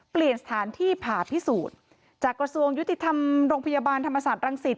เปลี่ยนสถานที่ผ่าพิสูจน์จากกระทรวงยุติธรรมโรงพยาบาลธรรมศาสตร์รังสิต